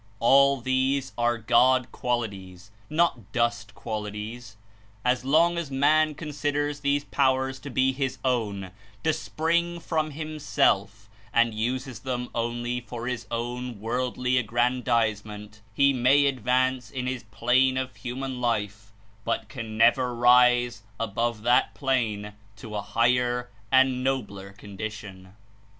All these are God qualities — not dust qualities. As long as man considers these powers to be his own, to spring from himself, and uses them only for his own worldly ag grandizement, he may advance in his plane of human life, but can never rise above that plane to a higher and nobler condition.